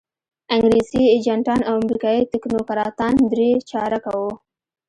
انګریزي ایجنټان او امریکایي تکنوکراتان درې چارکه وو.